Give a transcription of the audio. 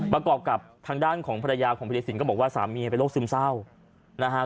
ประกอบกับทางด้านของภรรยาของพิรสินก็บอกว่าสามีเป็นโรคซึมเศร้านะฮะ